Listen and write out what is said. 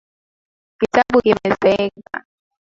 Kitabu kimezeeka